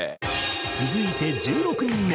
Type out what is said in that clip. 続いて１６人目。